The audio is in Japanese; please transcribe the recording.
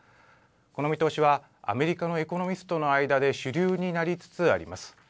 この見通しはアメリカのエコノミストの間で主流になりつつあります。